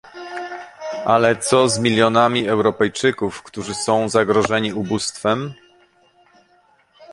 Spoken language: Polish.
Ale co z milionami Europejczyków, którzy są zagrożeni ubóstwem?